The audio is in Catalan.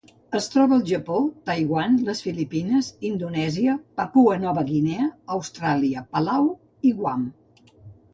Es troba al Japó, Taiwan, les Filipines, Indonèsia, Papua Nova Guinea, Austràlia, Palau i Guam.